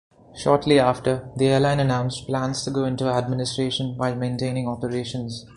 Shortly after, the airline announced plans to go into administration while maintaining operations.